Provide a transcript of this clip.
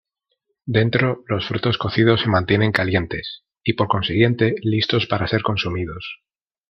Dentro, los frutos cocidos se mantienen calientes, y por consiguiente, listos para ser consumidos.